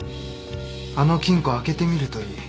あの金庫開けてみるといい。